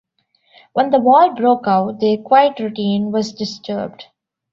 When the war broke out, their quiet routine was disturbed.